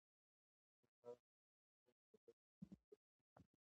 د افغانستان دغه مېړنی زوی په تاریخ کې ابدي شو.